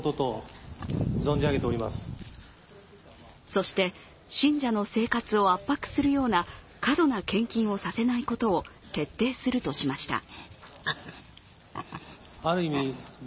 そして、信者の生活を圧迫するような過度な献金をさせないことを徹底するとしました。